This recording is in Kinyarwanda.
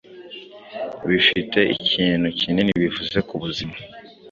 bifite ikintu kinini bivuze ku buzima.